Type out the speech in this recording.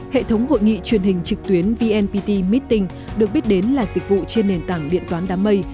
hệ thống hội nghị truyền hình trực tuyến vnpt meeting được biết đến là dịch vụ trên nền tảng điện toán đám mây